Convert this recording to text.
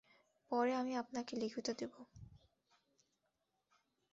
পরে আমি আপনাকে লিখিত দিবো।